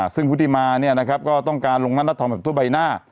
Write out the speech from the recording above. ซึ่งภูติมาเนี่ยนะครับก็ต้องการลงหน้าหน้าทองแบบทั่วใบหน้า